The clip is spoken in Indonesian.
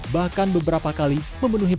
bahkan beberapa kali memenuhi